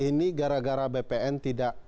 ini gara gara bpn tidak